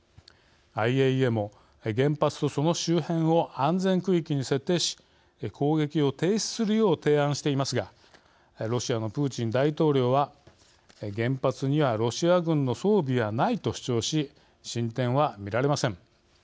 ＩＡＥＡも原発とその周辺を安全区域に設定し攻撃を停止するよう提案していますがロシアのプーチン大統領は「原発にはロシア軍の装備はない」と主張し進展は見られません。